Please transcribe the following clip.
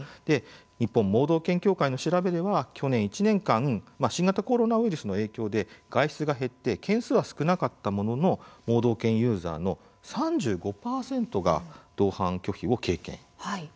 日本盲導犬協会の調べでは去年１年間新型コロナウイルスの影響で外出が減って件数は少なかったものの盲導犬ユーザーの３５％が同伴拒否を経験。